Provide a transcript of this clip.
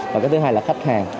và cái thứ hai là khách hàng